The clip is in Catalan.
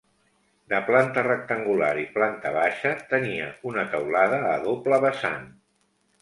De planta rectangular i planta baixa, tenia una teulada a doble vessant.